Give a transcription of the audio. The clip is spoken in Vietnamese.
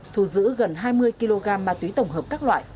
thu giữ gần hai mươi kg ma túy tổng hợp các loại